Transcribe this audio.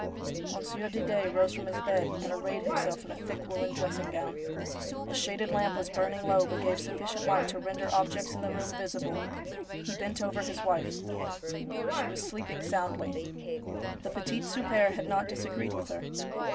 Monsieur Didet rose from his bed, and arrayed himself in a thick woollen dressing gown. A shaded lamp was burning low, but gave sufficient light to render objects in the room visible. He bent over his wife. She was sleeping soundly. The petit souper had not disagreed with her.